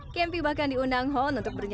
gempi bahkan diundang hon untuk berbicara